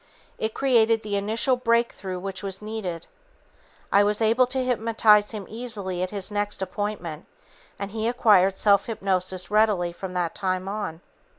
It created the initial break through which was needed. I was able to hypnotize him easily at his next appointment, and he acquired self hypnosis readily from that time on.